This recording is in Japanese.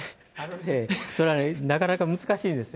それはなかなか難しいですよ。